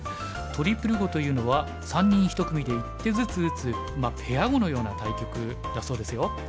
トリプル碁というのは三人一組で１手ずつ打つペア碁のような対局だそうですよ。